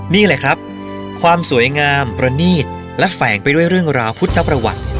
นี่แหละครับความสวยงามประนีตและแฝงไปด้วยเรื่องราวพุทธประวัติ